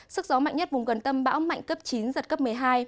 sức gió mạnh nhất vùng gần tâm bão mạnh cấp chín giật cấp một mươi hai